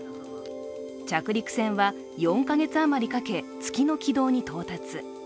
着陸船は４か月余りかけ、月の軌道に到達。